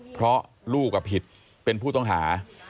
เพราะลูกผิดเป็นผู้ต้องหา